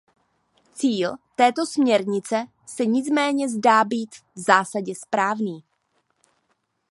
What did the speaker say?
Cíl této směrnice se nicméně zdá být v zásadě správný.